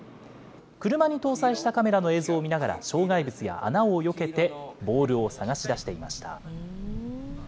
車に搭載したカメラの映像を見ながら、障害物や穴をよけてボールを探し出していました。